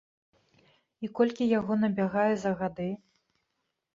І колькі яго набягае за гады?